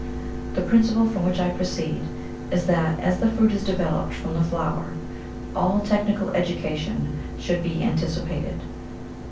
The principle from which I proceed is that as the fruit is developed from the flower, all Technical Education should be anticipated.